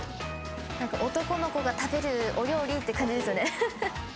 男の子が食べるお料理って感じですよね。